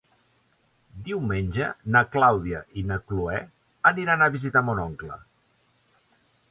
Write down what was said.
Diumenge na Clàudia i na Cloè iran a visitar mon oncle.